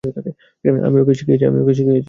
আমিই ওকে শিখিয়েছি।